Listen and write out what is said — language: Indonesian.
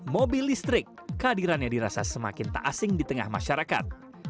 mobil listrik kehadirannya dirasa semakin tak asing di tengah masyarakat